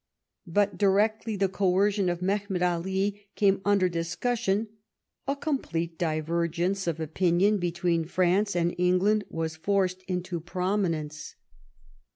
But directly the coercion of .Mehemet Ali came under discussion, a complete divergence of opinion between France and England was forced into prominence.